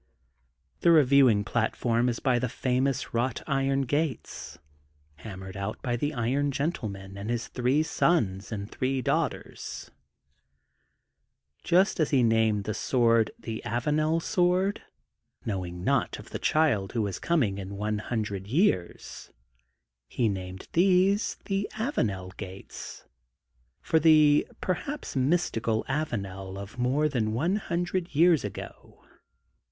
The reviewing platform is by the famous wrought iron gates, hammered out by the Iron Gentleman and his three sons and three daughters. Just as he named the sword *'The Avanel Sword," knowing not of the child who was coming in one hundred years, he named these The Avanel Gates,'* for the perhaj>s mythi THE GOLDEN BOOK OF SPRINGFIELD 271 cal Avanel of more than one hundred years ago.